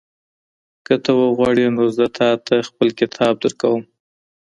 که ته وغواړې نو زه تاته خپل کتاب درکوم.